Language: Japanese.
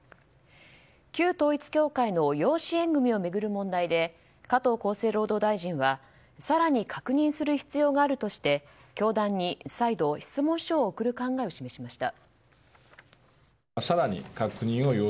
旧統一教会の養子縁組を巡る問題で加藤厚生労働大臣は更に確認する必要があるとして教団に再度質問書を送る考えを示しました。